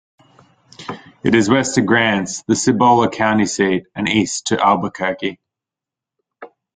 It is west to Grants, the Cibola County seat, and east to Albuquerque.